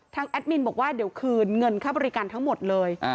แอดมินบอกว่าเดี๋ยวคืนเงินค่าบริการทั้งหมดเลย